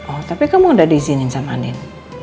oh tapi kamu udah diizinin sama anin